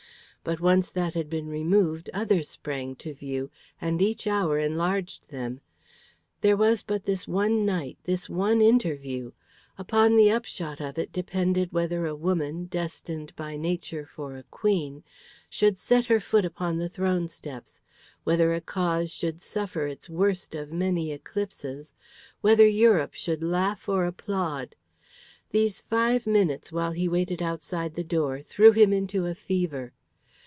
But once that had been removed, others sprang to view, and each hour enlarged them. There was but this one night, this one interview! Upon the upshot of it depended whether a woman, destined by nature for a queen, should set her foot upon the throne steps, whether a cause should suffer its worst of many eclipses, whether Europe should laugh or applaud. These five minutes while he waited outside the door threw him into a fever.